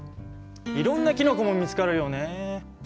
いろんなキノコも見つかるよね？